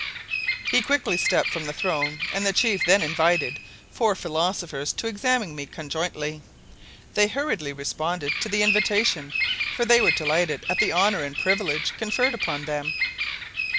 He quickly stepped from the throne and the chief then invited four philosophers to examine me conjointly. They hurriedly responded to the invitation, for they were delighted at the honor and privilege conferred upon them.